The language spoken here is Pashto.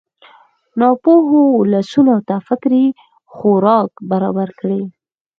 ناپوهو ولسونو ته فکري خوراک برابر کړي.